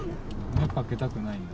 迷惑かけたくないんだ。